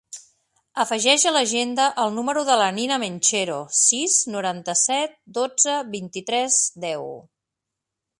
Afegeix a l'agenda el número de la Nina Menchero: sis, noranta-set, dotze, vint-i-tres, deu.